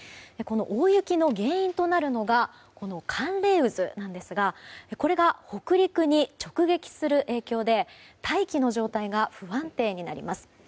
この大雪の原因となるのが寒冷渦なんですがこれが北陸に直撃する影響で大気の状態が不安定になります。